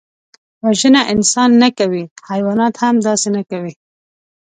وژنه انسان نه کوي، حیوانات هم داسې نه کوي